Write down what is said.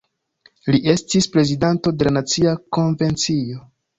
Li estis prezidanto de la Nacia Konvencio.